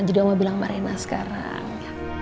jadi oma bilang sama rena sekarang